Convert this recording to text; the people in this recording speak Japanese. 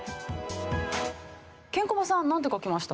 ケンコバさんなんて書きました？